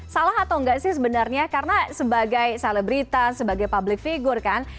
salah atau enggak sih sebenarnya karena sebagai selebritas sebagai public figure kan